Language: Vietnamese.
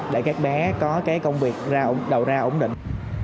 để các bé có cái công việc đầu ra ổn định